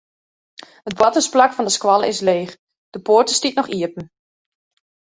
It boartersplak fan de skoalle is leech, de poarte stiet noch iepen.